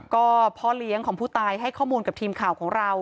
ก็พ่อเลี้ยงของผู้ตายให้ข้อมูลกับทีมข่าวของเรา